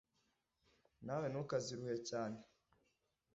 na we ntukaziruhe cyane